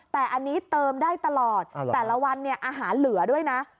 แต่อันนี้เติมได้ตลอดแต่ละวันเนี่ยอาหารเหลือด้วยนะ